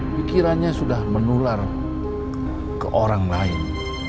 pikirannya sudah menular ke orang lain